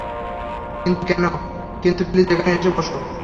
কিন্তু প্লিজ এখানে এসে বসো।